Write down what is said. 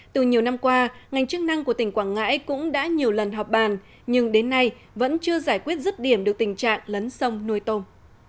từ nhiều năm qua ngành chức năng của tỉnh quảng ngãi cũng đã nhiều lần họp bàn nhưng đến nay vẫn chưa giải quyết rứt điểm được tình trạng lấn sông nuôi tôm